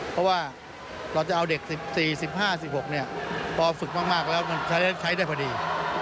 เพราะว่าเราจะเอาเด็ก๑๔๑๕๑๖พอฝึกมากแล้วมันใช้ได้พอดี